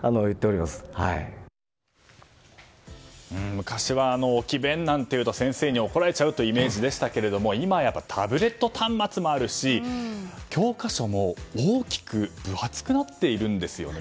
昔は置き勉なんというと先生に怒られちゃうというイメージでしたけども今はタブレット端末もあるし教科書も大きく分厚くなっているんですよね